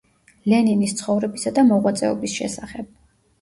ლენინის ცხოვრებისა და მოღვაწეობის შესახებ.